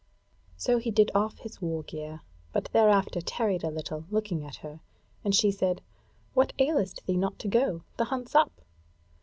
So he did off his wargear, but thereafter tarried a little, looking at her, and she said: "What aileth thee not to go? the hunt's up."